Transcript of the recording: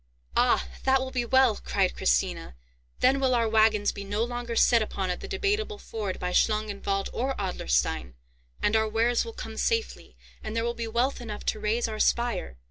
"Ah! that will be well," cried Christina. "Then will our wagons be no longer set upon at the Debateable Ford by Schlangenwald or Adlerstein; and our wares will come safely, and there will be wealth enough to raise our spire!